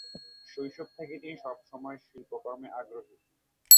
শৈশব থেকেই তিনি সবসময় শিল্পকর্মে আগ্রহী।